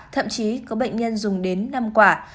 thậm chí có bệnh nhân dùng đến năm quả